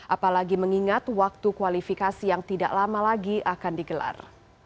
apalagi mengingat waktu kualifikasi yang tidak lama lagi akan digelar